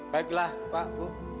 baiklah pak bu